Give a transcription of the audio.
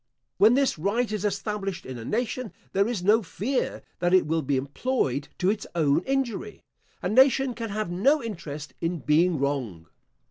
When this right is established in a nation, there is no fear that it will be employed to its own injury. A nation can have no interest in being wrong.